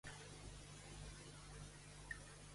Es troben normalment en l'halo galàctic i en cúmuls globulars.